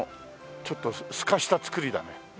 ちょっとすかした造りだね。